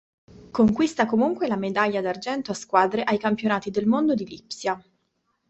Conquista comunque la medaglia d'argento a squadre ai campionati del mondo di Lipsia.